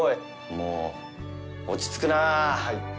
もう落ちつくなあ。